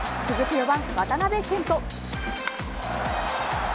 ４番、渡部健人。